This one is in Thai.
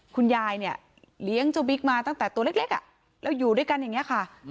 คุณยายเนี่ยเลี้ยงเจ้าบิ๊กมาตั้งแต่ตัวเล็กแล้วอยู่ด้วยกันอย่างนี้ค่ะ